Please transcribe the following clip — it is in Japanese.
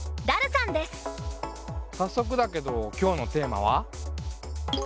さっそくだけど今日のテーマは？